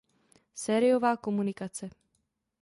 Sériová komunikace